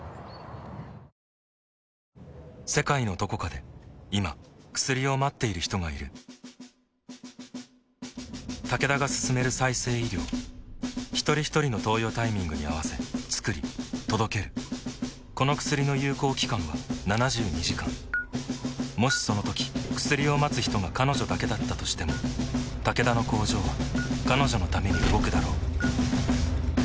世界のどこかで今薬を待っている人がいるタケダが進める再生医療ひとりひとりの投与タイミングに合わせつくり届けるこの薬の有効期間は７２時間もしそのとき薬を待つ人が彼女だけだったとしてもタケダの工場は彼女のために動くだろう